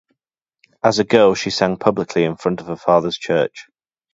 As a girl, she sang publicly in front of her father's church.